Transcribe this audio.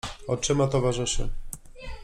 oczyma towarzyszy.